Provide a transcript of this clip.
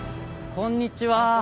こんにちは。